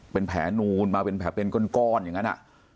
เป็นแผลนูนมาเป็นแผลเป็นก้อนอย่างนั้น